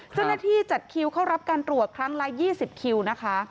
เจ้าหน้าที่จัดคิวเข้ารับการตรวจครั้งละ๒๐คิวนะคะ